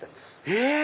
え⁉